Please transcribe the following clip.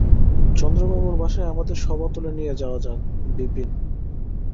চন্দ্রবাবুর বাসায় আমাদের সভা তুলে নিয়ে যাওয়া যাক– বিপিন।